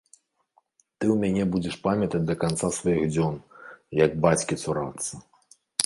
Ты ў мяне будзеш памятаць да канца сваіх дзён, як бацькі цурацца!